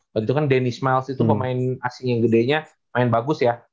waktu itu kan dennis miles itu pemain asing yang gedenya main bagus ya